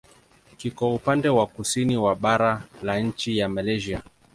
Kiko upande wa kusini wa bara la nchi ya Malaysia.